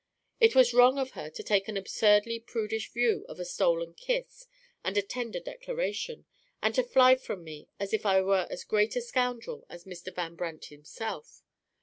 It was wrong of her to take an absurdly prudish view of a stolen kiss and a tender declaration, and to fly from me as if I were as great a scoundrel as Mr. Van Brandt himself.